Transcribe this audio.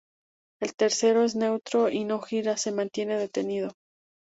El tercero es neutro y no gira, se mantiene detenido.